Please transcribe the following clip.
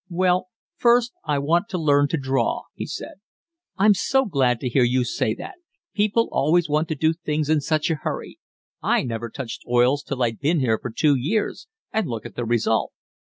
"Well, first I want to learn to draw," he said. "I'm so glad to hear you say that. People always want to do things in such a hurry. I never touched oils till I'd been here for two years, and look at the result."